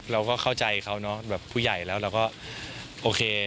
เราก็เข้าใจเขาเนอะแบบผู้ใหญ่แล้วเราก็โอเค